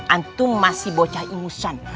antum masih bocah imusan